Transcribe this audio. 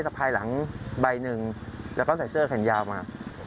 ภายหลังใบหนึ่งแล้วก็ใส่เสื้อแขนยาวมา